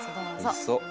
おいしそう。